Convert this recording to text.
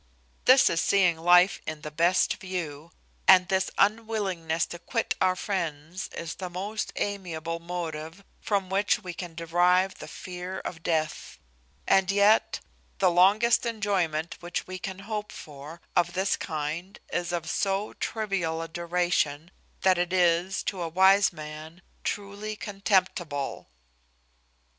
This is seeing life in the best view, and this unwillingness to quit our friends is the most amiable motive from which we can derive the fear of death; and yet the longest enjoyment which we can hope for of this kind is of so trivial a duration, that it is to a wise man truly contemptible.